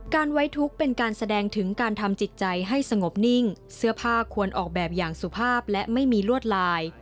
ไว้ทุกข์เป็นการแสดงถึงการทำจิตใจให้สงบนิ่งเสื้อผ้าควรออกแบบอย่างสุภาพและไม่มีลวดลาย